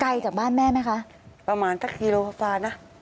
จากบ้านแม่ไหมคะประมาณสักกิโลกาฟานะ